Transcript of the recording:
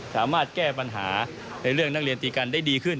สามารถแก้ปัญหาในเรื่องนักเรียนตีกันได้ดีขึ้น